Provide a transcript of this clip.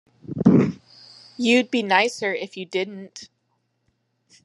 You'd be nicer if you didn't.